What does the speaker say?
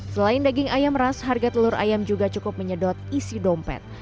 selain daging ayam ras harga telur ayam juga cukup menyedot isi dompet